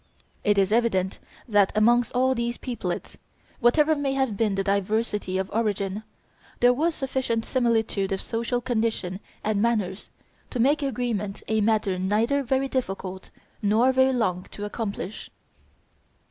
It is evident that amongst all these peoplets, whatever may have been their diversity of origin, there was sufficient similitude of social condition and manners to make agreement a matter neither very difficult nor very long to accomplish.